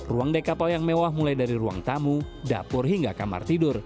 ruang dek kapal yang mewah mulai dari ruang tamu dapur hingga kamar tidur